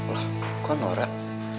lah kok norak